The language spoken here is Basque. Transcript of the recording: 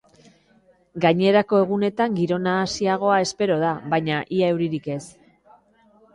Gainerako egunetan, giro nahasiagoa espero da, baina ia euririk ez.